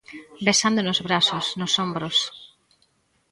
Vezando nos brazos, nos ombros.